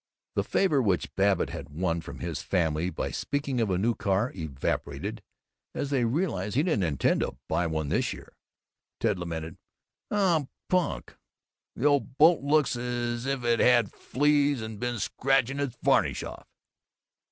The favor which Babbitt had won from his family by speaking of a new car evaporated as they realized that he didn't intend to buy one this year. Ted lamented, "Oh, punk! The old boat looks as if it'd had fleas and been scratching its varnish off."